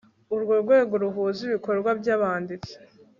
urwo rwego ruhuza ibikorwa by abanditsi